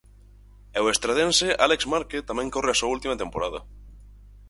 E o estradense Álex Marque tamén corre a súa última temporada.